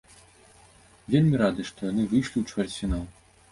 Вельмі рады, што яны выйшлі ў чвэрцьфінал.